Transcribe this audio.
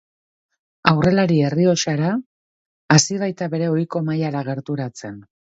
Aurrelari errioxara hasi baita bere ohiko mailara gerturatzen.